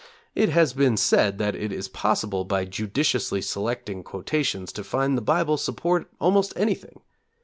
It has been said that it is possible by judiciously selecting quotations to find the Bible support almost anything.